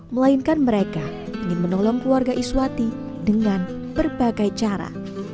melainkan mereka ingin menolong keluarga iswati dengan berbagai cara